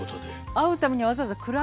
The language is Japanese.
会うためにわざわざ位を。